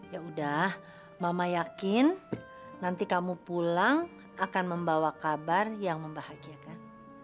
ya udah mama yakin nanti kamu pulang akan membawa kabar yang membahagiakan